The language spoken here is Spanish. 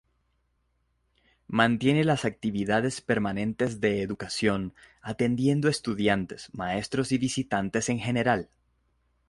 Mantiene las actividades permanentes de educación, atendiendo estudiantes, maestros y visitantes en general.